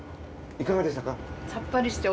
いかがでしたか？